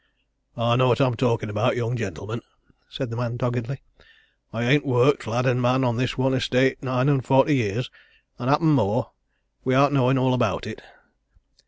"I know what I'm talking about, young gentleman," said the man doggedly. "I ain't worked, lad and man, on this one estate nine and forty years and happen more wi'out knowin' all about it.